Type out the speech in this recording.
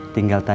tinggal di sini